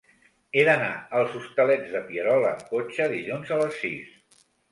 He d'anar als Hostalets de Pierola amb cotxe dilluns a les sis.